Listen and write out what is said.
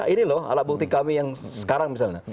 ini loh alat bukti kami yang sekarang misalnya